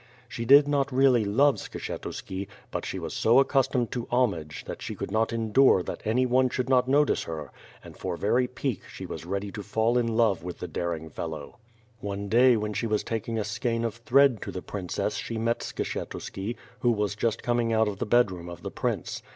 She did not really love Skshetuski, but she was so accustomed to homage that she could not endure that any one should not notice her, and for very pique she was ready to fall in love with the daring fellow. One day when she was taking a skein of thread to the Princess she met Skshetuski, who was just coming out of the bedroom of the prince.